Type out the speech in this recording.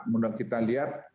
mudah kita lihat